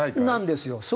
なんですよ。